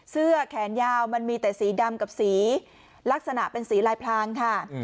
เสื้อแขนยาวมันมีแต่สีดำกับสีลักษณะเป็นสีลายพลางค่ะ